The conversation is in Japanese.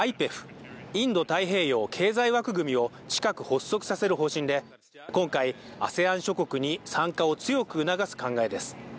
ＩＰＥＦ＝インド太平洋経済枠組みを近く発足させる方針で今回ＡＳＥＡＮ諸国に参加を強く促す考えです